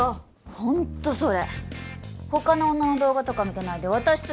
ホントそれ他の女の動画とか見てないで私と